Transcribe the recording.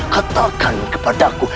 katakan kepada aku